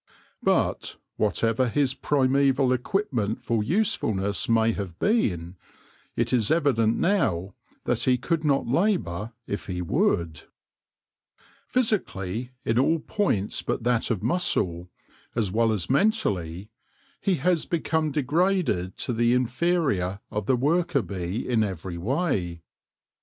But, whatever his primaeval equipment for usefulness may have been, it is evident now that he could not labour if he would, i68 THE LORE OF THE HONEY BEE Physically, in all points but that of muscle, as well as mentally, he has become degraded to the inferior of the worker bee in every way.